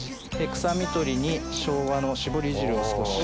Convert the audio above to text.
臭み取りに生姜のしぼり汁を少し。